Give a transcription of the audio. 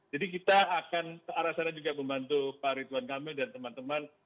jadi kita akan ke arah sana juga membantu pak ridwan kamil dan teman teman